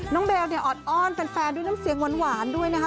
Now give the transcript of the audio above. น้องเบลออดอ้อนแฟนด้วยน้ำเสียงหวานด้วยนะฮะ